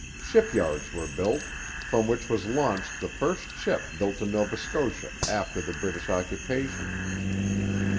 Ship yards were built, from which was launched the first ship built in Nova Scotia after the British occupation.